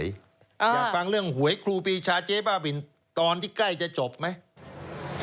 อยากฟังเรื่องหวยครูปีชาเจ๊บ้าบินตอนที่ใกล้จะจบไหม